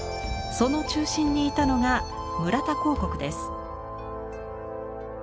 その中心にいたのが村田香谷です。